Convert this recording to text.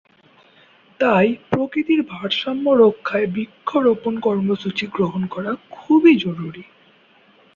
তাই প্রকৃতির ভারসাম্য রক্ষায় বৃক্ষরোপণ কর্মসূচি গ্রহণ করা খুবই জরুরি।